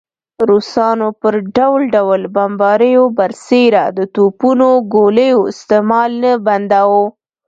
روسانو پر ډول ډول بمباریو برسېره د توپونو ګولیو استعمال نه بنداوه.